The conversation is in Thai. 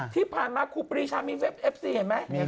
ที่ผ่านมาครูปรีชามีเฟฟเอฟซีเห็นไหม